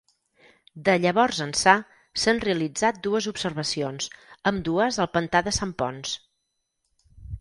De llavors ençà s'han realitzat dues observacions, ambdues al pantà de Sant Ponç.